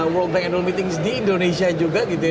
world bank annual meeting di indonesia juga gitu ya